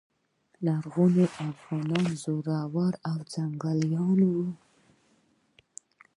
لرغوني افغانان زړور او جنګیالي وو